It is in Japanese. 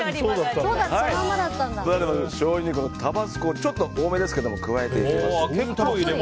しょうゆにタバスコをちょっと多めですけど加えていきます。